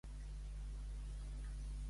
Davant de Déu i de tot el món.